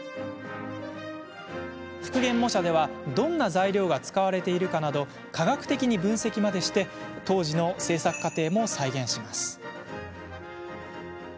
復元模写ではどんな材料が使われているかなど科学的に分析までして当時の制作過程も再現します。